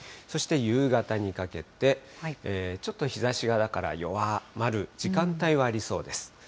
そして夕方にかけて、ちょっと日ざしが、だから弱まる時間帯はありそうです。